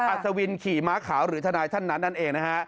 อัศวินขี่ม้าขาวหรือทนายท่านนั้นนั่นเองนะฮะ